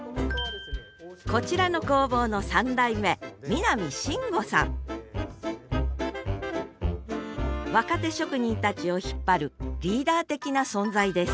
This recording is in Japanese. こちらの工房の３代目若手職人たちを引っ張るリーダー的な存在です